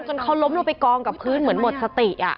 เขาล้มลงไปกองกับพื้นเหมือนหมดสติ